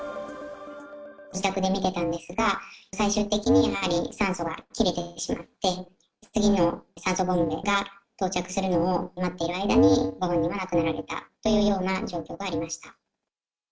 自宅でみてたんですが、最終的にやはり酸素が切れてしまって、次の酸素ボンベが到着するのを待っている間に、ご本人が亡くなられたというような状況がありました。